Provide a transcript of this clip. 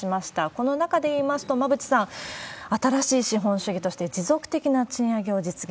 この中でいいますと、馬渕さん、新しい資本主義として持続的な賃上げを実現。